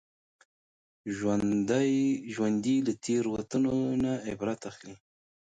ژوندي له تېروتنو نه عبرت اخلي